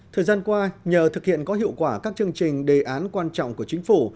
thời gian qua nhờ thực hiện có hiệu quả các chương trình đề án quan trọng của chính phủ